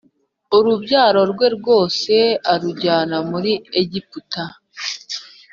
Urubyaro rwe rwose arujyana muri Egiputa